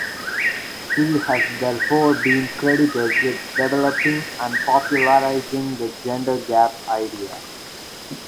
She has therefore been credited with developing and popularizing the gender gap idea.